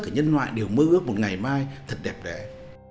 tất cả nhân loại đều mơ ước một ngày mai thật đẹp đẹp